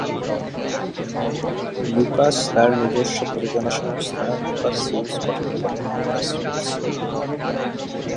Lucas তার নিজস্ব প্রযোজনা সংস্থা লুকাস ফিল্মস গঠন করেন লুকাস ফিল্মস।